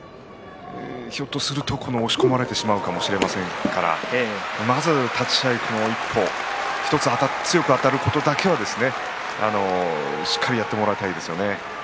ひょっとすると押し込まれてしまうかもしれませんからまずは立ち合い一歩、強くあたることだけはしっかりとやってもらいたいですね。